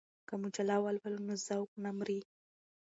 که مجله ولولو نو ذوق نه مري.